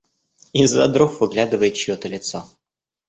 Из-за дров выглядывает чьё-то лицо.